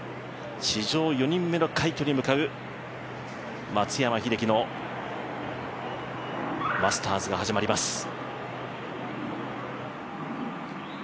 史上４人目の快挙へ向かう松山英樹のマスターズが始まります。